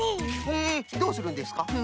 へえどうするんですか？